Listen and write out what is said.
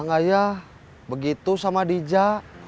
enggak ya begitu sama diza